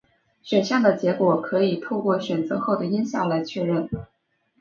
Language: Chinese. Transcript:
选项的结果可以透过选择后的音效来确认。